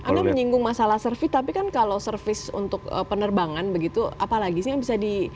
anda menyinggung masalah servis tapi kalau servis untuk penerbangan begitu apa lagi sih yang bisa di